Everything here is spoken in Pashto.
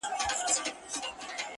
• چي کړي ډک د مځکي مخ له مخلوقاتو -